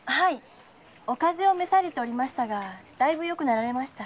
お風邪を召されておりましたがだいぶ良くなられました。